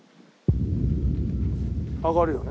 上がるよね？